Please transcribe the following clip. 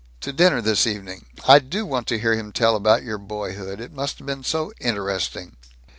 to dinner this evening. I do want to hear him tell about your boyhood. It must have been so interesting."